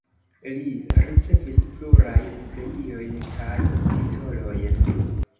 Li ricevis plurajn premiojn kaj titolojn.